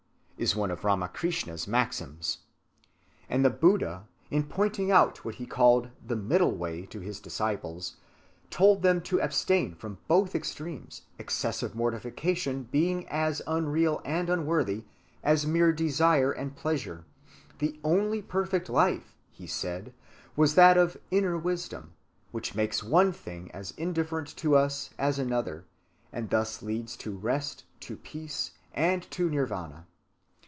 (215) And the Buddha, in pointing out what he called "the middle way" to his disciples, told them to abstain from both extremes, excessive mortification being as unreal and unworthy as mere desire and pleasure. The only perfect life, he said, is that of inner wisdom, which makes one thing as indifferent to us as another, and thus leads to rest, to peace, and to Nirvâna.